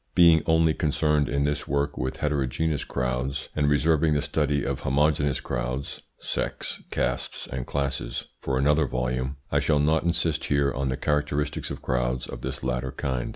Being only concerned in this work with heterogeneous crowds, and reserving the study of homogeneous crowds (sects, castes, and classes) for another volume, I shall not insist here on the characteristics of crowds of this latter kind.